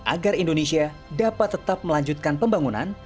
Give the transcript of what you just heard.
agar indonesia dapat tetap melanjutkan pembangunan